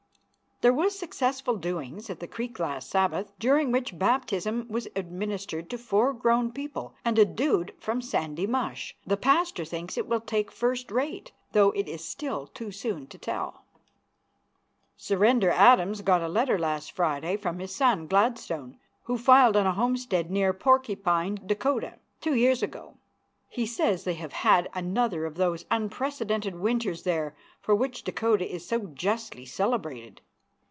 There was a successful doings at the creek last Sabbath, during which baptism was administered to four grown people and a dude from Sandy Mush. The pastor thinks it will take first rate, though it is still too soon to tell. Surrender Adams got a letter last Friday from his son Gladstone, who filed on a homestead near Porcupine, Dak., two years ago. He says they have had another of those unprecedented winters there for which Dakota is so justly celebrated.